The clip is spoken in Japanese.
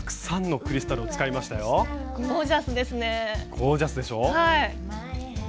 ゴージャスですね。